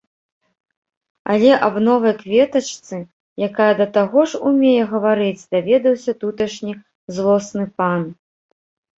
Але аб новай кветачцы, якая да таго ж умее гаварыць, даведаўся туташні злосны пан.